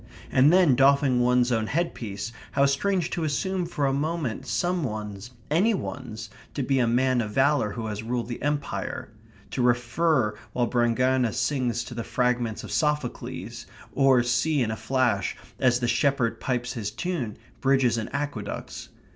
And then, doffing one's own headpiece, how strange to assume for a moment some one's any one's to be a man of valour who has ruled the Empire; to refer while Brangaena sings to the fragments of Sophocles, or see in a flash, as the shepherd pipes his tune, bridges and aqueducts.